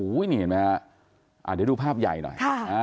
อู้วนี่เห็นมั้ยอ่ะเดี๋ยวดูภาพใหญ่หน่อย